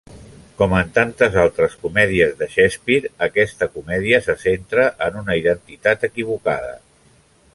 Com en tantes altres comèdies de Shakespeare, aquesta comèdia se centra en una identitat equivocada.